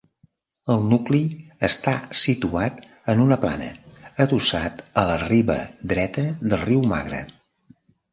El nucli està situat en una plana, adossat a la riba dreta del riu Magre.